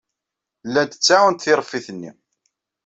Llant ttaɛunt tiṛeffit-nni.